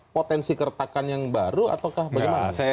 potensi kertakan yang baru atau bagaimana